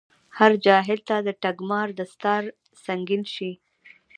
هر جاهل ته دټګمار دستار سنګين شي